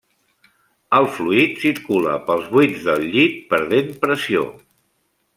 El fluid circula pels buits del llit perdent pressió.